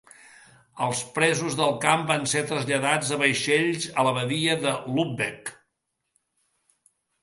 Els presos del camp van ser traslladats a vaixells a la badia de Lübeck.